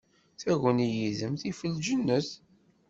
Taguni yid-m tif lǧennet.